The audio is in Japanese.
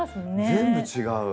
全部違う。